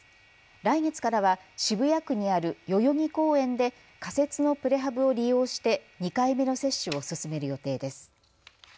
来月からは渋谷区にある代々木公園で仮設のプレハブを利用して２回目の接種を進める予定です。